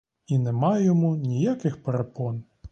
І нема йому ніяких перепон.